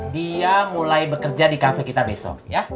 dia mulai bekerja di kafe kita besok